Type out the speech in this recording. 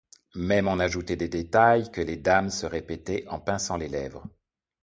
Même on ajoutait des détails que les dames se répétaient en pinçant les lèvres.